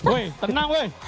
weh tenang weh